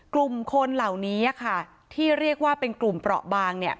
กลุ่มคนเหล่านี้ค่ะที่เรียกว่าเป็นกลุ่มเปราะบางเนี่ย